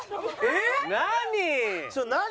えっ？何？